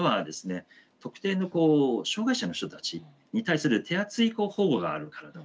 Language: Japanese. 特定の障害者の人たちに対する手厚い保護があるからだと。